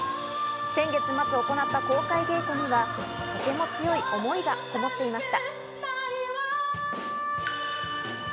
先月末行った公開稽古には、とても強い思いがこもっていました。